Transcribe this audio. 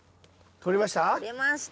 取れました。